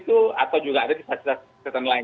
empat belas itu atau juga ada di fakta fakta lain